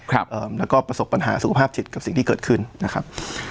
เอ่อแล้วก็ประสบปัญหาสุขภาพจิตกับสิ่งที่เกิดขึ้นนะครับ